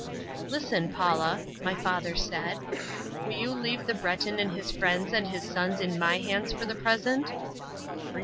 "Listen, Paula," my father said; "will you leave the Breton and his friends and his sons in my hands for the present?"